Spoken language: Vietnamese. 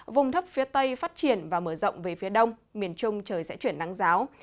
vùng thấp phía tây phát triển và mở rộng về phía đông miền trung trời sẽ chuyển nắng giáo